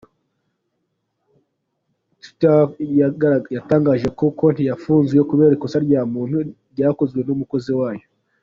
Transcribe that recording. Twitter yatangaje ko konti yafunzwe kubera ‘ikosa rya muntu ryakozwe n’umukozi wayo.